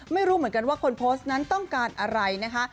ไม่รู้เหมือนกันว่าคนโพสต์นั้นต้องการอะไรนะคะ